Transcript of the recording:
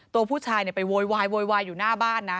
ตัวผู้ชายไปโวยวายโวยวายอยู่หน้าบ้านนะ